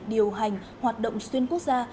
điều hành hoạt động xuyên quốc gia